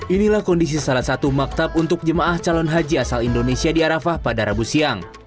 inilah kondisi salah satu maktab untuk jemaah calon haji asal indonesia di arafah pada rabu siang